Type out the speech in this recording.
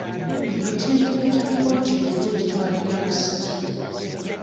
Emitendera gya kkooti bulijjo gitwala ennaku asatu.